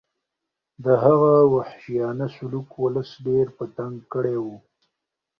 د هغه وحشیانه سلوک ولس ډېر په تنګ کړی و.